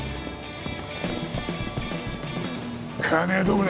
金はどこだ？